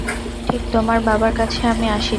ঠিক তোমার বাবার কাছে আমি আসি নি।